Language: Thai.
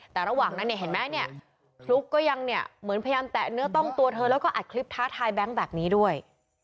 แต่ระหว่างนั้นเนี่ยเห็นไหมเนี่ยฟลุ๊กก็ยังเนี่ยเหมือนพยายามแตะเนื้อต้องตัวเธอแล้วก็อัดคลิปท้าทายแบงค์แบบนี้ด้วย